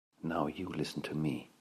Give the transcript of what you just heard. Now you listen to me.